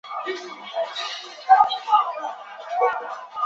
终结美国处决少年犯的历史。